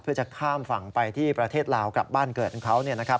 เพื่อจะข้ามฝั่งไปที่ประเทศลาวกลับบ้านเกิดของเขา